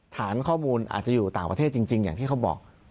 ฐานข้อมูลอาจจะอยู่ต่างประเทศจริงอย่างที่เขาบอก